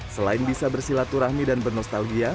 selain bisa bersilaturahmi dan bernostalgia